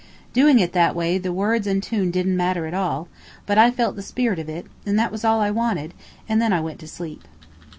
Doing it that way the words and tune didn't matter at all, but I felt the spirit of it, and that was all I wanted, and then I went to sleep.